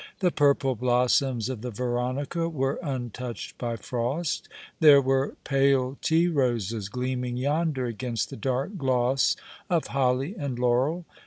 The purple blossoms of the veronica were un touched by frost ; there were pale tea roses gleaming yonder against the dark gloss of holly and laurel.